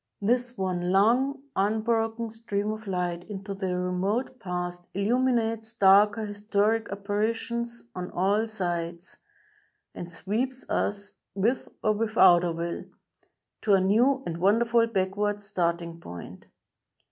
This one long, unbroken stream of light into the remote Past illuminates darker historic apparitions on all sides, and sweeps us, with or without our will, to a new and wonderful backward starting point.